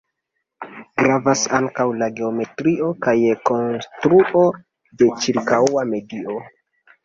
Gravas ankaŭ la geometrio kaj konstruo de ĉirkaŭa medio.